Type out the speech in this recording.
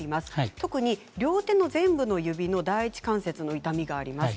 特に両手の全部の指の第一関節の痛みがあります。